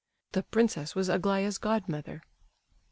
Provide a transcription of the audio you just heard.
The princess was Aglaya's godmother.